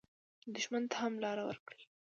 دښمن ته هم لار ورکړئ